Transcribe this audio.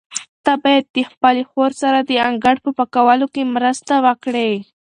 ته باید د خپلې خور سره د انګړ په پاکولو کې مرسته وکړې.